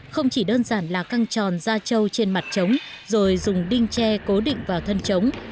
không chỉ đơn giản là căng tròn da trâu trên mặt trống rồi dùng đinh tre cố định vào thân trống